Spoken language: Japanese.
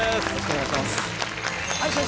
よろしくお願いします。